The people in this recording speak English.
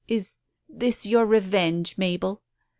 " Is — this your revenge, Mabel